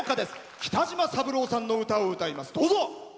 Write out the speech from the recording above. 北島三郎さんの歌を歌います。